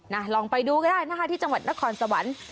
ลองไปดูก็ได้นะคะที่จังหวัดนครสวรรค์